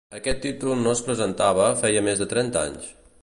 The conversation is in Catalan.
Aquest títol no es presentava feia més de trenta anys.